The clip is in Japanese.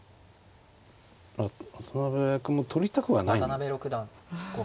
渡辺君も取りたくはないんだ。